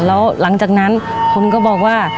แล้วหลังจากนั้นคุณก็บอกว่า